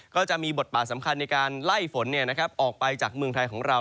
ก็จะมีบทบาทสำคัญในการไล่ฝนออกไปจากเมืองไทยของเรา